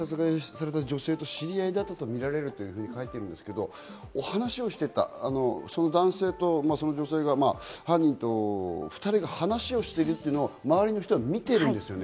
知り合いだったとみられると書いていますが、話をしていた男性と女性が、犯人と２人が話をしているというのは周りの人は見てるんですよね。